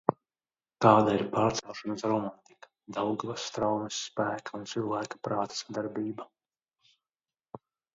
Tāda ir pārcelšanas romantika - Daugavas straumes spēka un cilvēka prāta sadarbība.